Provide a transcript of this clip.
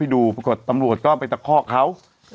ดูปรากฏตำรวจก็ไปตะคอกเขา